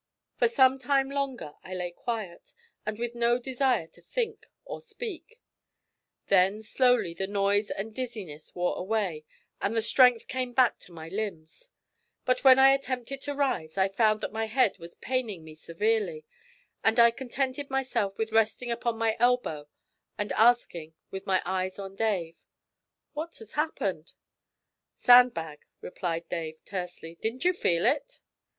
For some time longer I lay quiet, and with no desire to think or speak; then slowly the noise and dizziness wore away, and the strength came back to my limbs; but when I attempted to rise, I found that my head was paining me severely, and I contented myself with resting upon my elbow and asking, with my eyes on Dave: 'What has happened?' 'Sandbag,' replied Dave tersely. 'Didn't you feel it?'